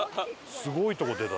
すごいとこ出た。